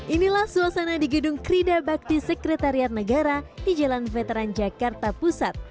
inilah suasana di gedung krida bakti sekretariat negara di jalan veteran jakarta pusat